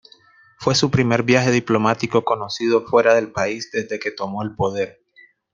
Fue su primer viaje diplomático conocido fuera del país desde que tomó el poder.